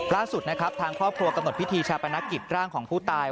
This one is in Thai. ล่าสุดนะครับทางครอบครัวกำหนดพิธีชาปนกิจร่างของผู้ตาย